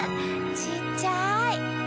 ちっちゃい！